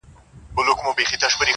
اوس يې ياري كومه ياره مـي ده~